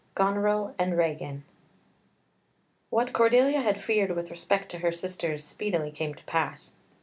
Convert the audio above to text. Goneril and Regan What Cordelia had feared with respect to her sisters speedily came to pass.